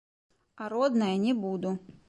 А, родная, не буду.